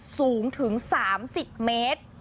สูงถึง๓๐เมตร